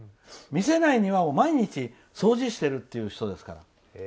見せない庭を毎日掃除してるという人ですから。